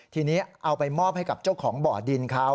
ทีนี้เอาไปมอบให้กับเจ้าของบ่อดินเขา